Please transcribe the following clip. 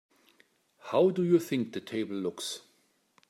How do you think the table looks?